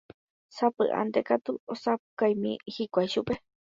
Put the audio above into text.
Sapy'ánte katu osapukáimi hikuái chupe